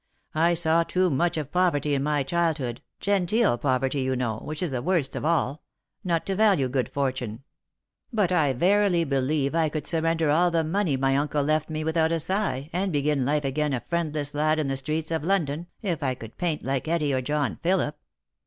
I saw too much of poverty in my childhood — genteel poverty, you know, which is the worst of all — not to value good fortune. But I verily believe I could surrender all the money my uncle left me without a sigh, and begin life again a friendless lad in the streets of London, if I could paint like Etty or John Philip."